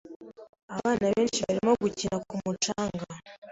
Abana benshi barimo gukina ku mucanga.